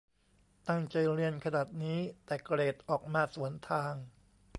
ตั้งใจเรียนขนาดนี้ แต่เกรดออกมาสวนทาง